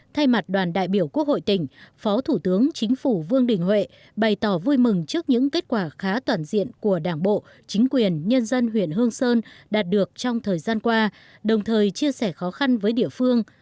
thay mặt đoàn đại biểu quốc hội tỉnh phó thủ tướng chính phủ vương đình huệ bày tỏ vui mừng trước những kết quả khá toàn diện của đảng bộ chính quyền nhân dân huyện hương sơn đạt được trong thời gian qua đồng thời chia sẻ khó khăn với địa phương